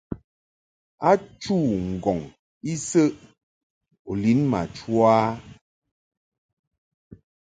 A chû ŋgɔŋ isəʼ u lin ma chu a ?